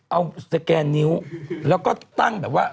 เอาสแกนนิ้วแล้วก็ตั้งแบบว่า